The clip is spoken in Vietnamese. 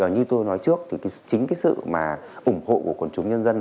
như tôi nói trước thì chính sự ủng hộ của quần chúng nhân dân